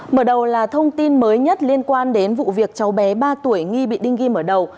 mở đầu là thông tin mới nhất liên quan đến vụ việc cháu bé ba tuổi nghi bị đinh ghim ở đầu